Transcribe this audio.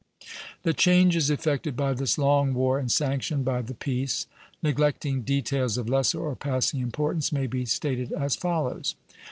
The changes effected by this long war and sanctioned by the peace, neglecting details of lesser or passing importance, may be stated as follows: 1.